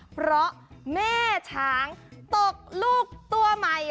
เพราะแม่ช้างตกลูกตัวใหม่